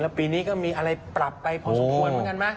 ปีนี้ก็มีอะไรปรับไปพอสมควรเหมือนกันไหม